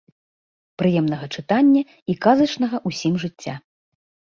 Прыемнага чытання і казачнага ўсім жыцця!